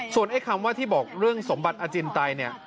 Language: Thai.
ส่วนคนที่บอกเรื่องสมบัติอจินไต